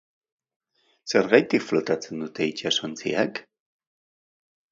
Gazte-gaztea zela Argentinara joan zen non antzerkian debutatu zuen.